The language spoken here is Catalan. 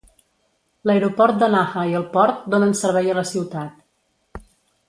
L'Aeroport de Naha i el port donen servei a la ciutat.